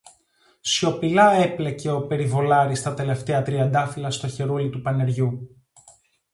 Σιωπηλά έπλεκε ο περιβολάρης τα τελευταία τριαντάφυλλα στο χερούλι του πανεριού